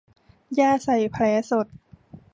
ยาใส่แผลสด